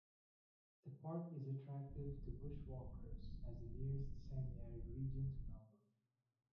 The park is attractive to bushwalkers as the nearest semi-arid region to Melbourne.